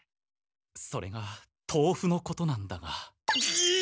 それがとうふのことなんだが。